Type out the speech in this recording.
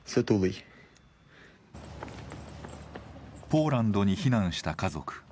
ポーランドに避難した家族。